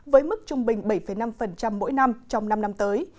với mức trung bình bảy năm mỗi năm trong năm năm tới